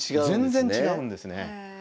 全然違うんですね。